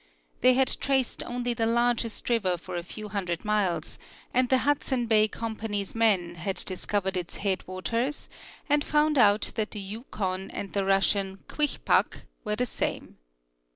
They had traced only the largest river for a few hun dred miles, and the Hudson Bay Company's men had dis covered its head waters and found out that the Yukon and the Russian Kwichpak were the same.